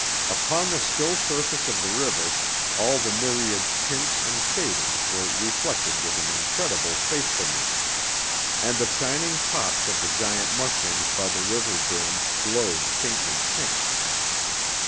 Upon the still surface of the river, all the myriad tints and shadings were reflected with an incredible faithfulness, and the shining tops of the giant mushrooms by the river brim glowed faintly pink.